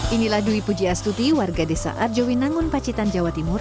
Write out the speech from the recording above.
inilah dwi pujiastuti warga desa arjowinangun pacitan jawa timur